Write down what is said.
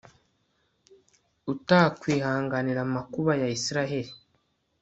utakwihanganira amakuba ya israheli